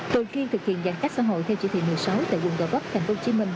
đầu tiên thực hiện giãn cách xã hội theo chỉ thị một mươi sáu tại quận gò vấp tp hcm